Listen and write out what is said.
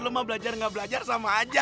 lo mau belajar gak belajar sama aja